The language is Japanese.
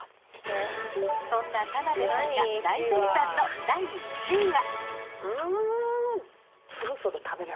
そんな田辺さんが大絶賛の第１位は？